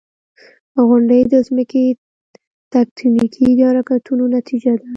• غونډۍ د ځمکې د تکتونیکي حرکتونو نتیجه ده.